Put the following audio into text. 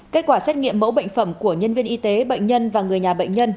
kết quả xét nghiệm mẫu bệnh phẩm của nhân viên y tế bệnh nhân và người nhà bệnh nhân